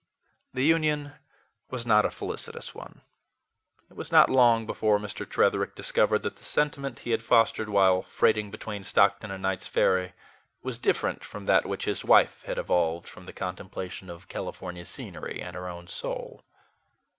The union was not a felicitous one. It was not long before Mr. Tretherick discovered that the sentiment he had fostered while freighting between Stockton and Knight's Ferry was different from that which his wife had evolved from the contemplation of California scenery and her own soul.